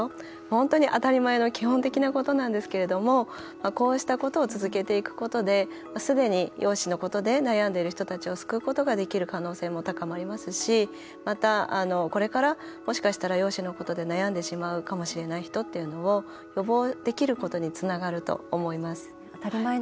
本当に当たり前の基本的なことなんですけれどもこうしたことを続けていくことですでに容姿のことで悩んでいる人たちを救うことができる可能性も高まりますしまた、これからもしかしたら、容姿のことで悩んでしまうかもしれない人っていうのを予防できることにつながると思います。